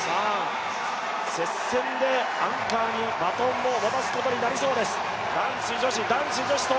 接戦でアンカーにバトンを渡すことになりそうです。